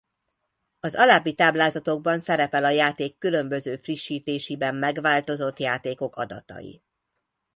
Az alábbi táblázatokban szerepel a játék különböző frissítésiben megváltozott játékosok adatai.